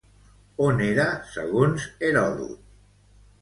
On era segons Herodot?